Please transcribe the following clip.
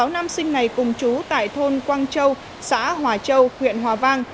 sáu nam sinh này cùng chú tại thôn quang châu xã hòa châu huyện hòa vang